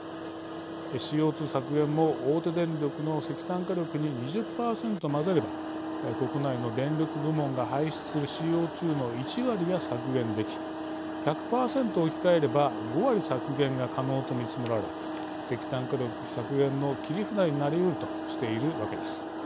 ＣＯ２削減も大手電力の石炭火力に２０％混ぜれば国内の電力部門が排出するＣＯ２の１割が削減でき１００％置き換えれば５割削減が可能と見積もられ石炭火力削減の切り札になりうるとしているわけです。